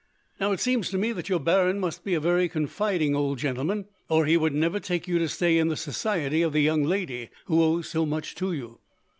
Now, it seems to me that your baron must be a very confiding old gentleman, or he would never take you to stay in the society of the young lady who owes so much to you.